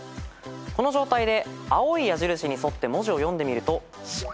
この状態で青い矢印に沿って文字を読んでみると。